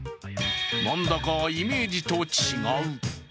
なんだかイメージと違う。